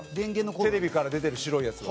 テレビから出てる白いやつが。